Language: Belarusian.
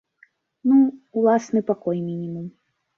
Ну, уласны пакой мінімум.